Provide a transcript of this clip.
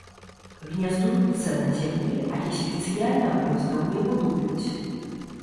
Гняздуюцца на зямлі, але спецыяльна гнёздаў не будуюць.